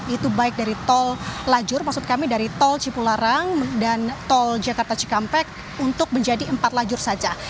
itu baik dari tol cipularang dan tol jakarta cikampek untuk menjadi empat lajur saja